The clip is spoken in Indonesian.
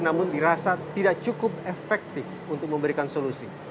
namun dirasa tidak cukup efektif untuk memberikan solusi